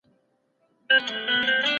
د هر انسان عزت د ټولنې عزت دی.